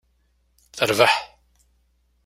Terbeḥ.